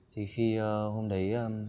thì khi hôm đấy